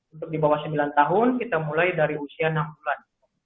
untuk di bawah sembilan tahun kita mulai dari usia enam bulan